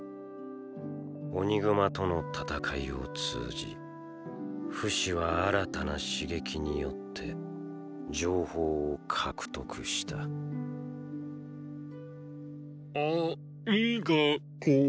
オニグマとの戦いを通じフシは新たな刺激によって情報を獲得したありがとオ。